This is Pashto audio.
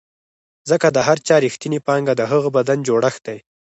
ځکه د هر چا رښتینې پانګه د هغه بدن جوړښت دی.